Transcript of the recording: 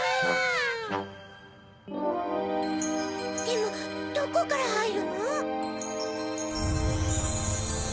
でもどこからはいるの？